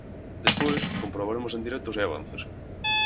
Despois, comprobaremos en directo se hai avances.